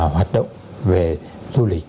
hoạt động về du lịch